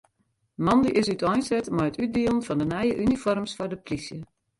Moandei is úteinset mei it útdielen fan de nije unifoarms foar de polysje.